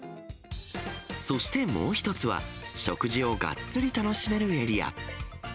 そしてもう一つは、食事をがっつり楽しめるエリア。